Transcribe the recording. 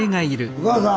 お母さん！